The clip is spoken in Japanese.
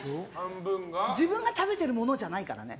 自分が食べてるものじゃないからね。